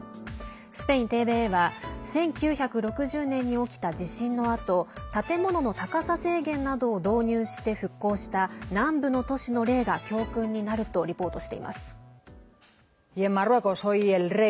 スペインＴＶＥは１９６０年に起きた地震のあと建物の高さ制限などを導入して復興した南部の都市の例が教訓になるとリポートしています。